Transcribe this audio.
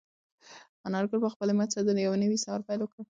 انارګل په خپل همت سره د یو نوي سهار پیل وکړ.